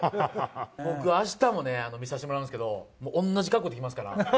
僕、あしたもね、見させてもらうんですけど、同じ格好で来ますから。